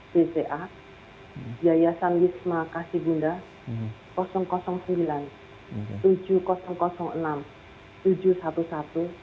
cca yayasan yisma kasih bunda sembilan tujuh ribu enam tujuh ratus sebelas